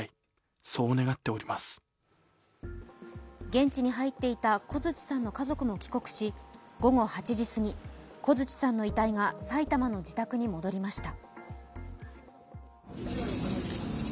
現地に入っていた小槌さんの家族も帰国し、午後８時すぎ、小槌さんの遺体が埼玉の自宅に戻りました。